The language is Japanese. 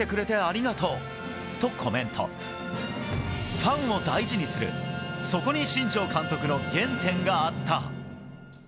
ファンを大事にするそこに新庄監督の原点があった。